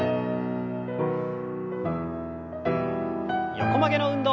横曲げの運動。